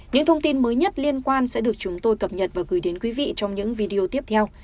những thông tin mới nhất liên quan sẽ được chúng tôi cập nhật và gửi đến quý vị trong những video tiếp theo